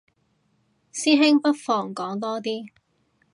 師兄不妨講多啲